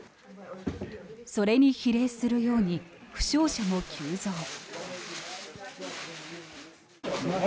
それに比例するように負傷者も急増。